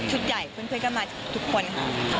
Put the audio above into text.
ใหญ่เพื่อนก็มาทุกคนค่ะ